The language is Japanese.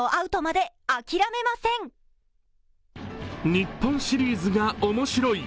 日本シリーズが面白い。